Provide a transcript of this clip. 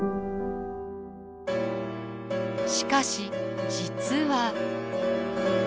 しかし実は。